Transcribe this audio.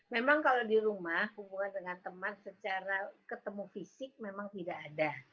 memang kalau di rumah hubungan dengan teman secara ketemu fisik memang tidak ada